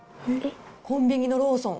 コンビニのローソン。